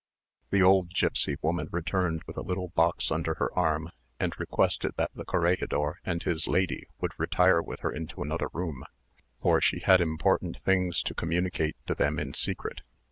The old gipsy woman returned with a little box under her arm, and requested that the corregidor and his lady would retire with her into another room, for she had important things to communicate to them in secret.